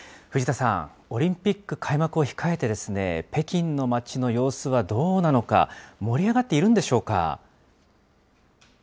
藤田さん、オリンピック開幕を控えて、北京の街の様子はどうなのか、盛り上がっているんでしょうか？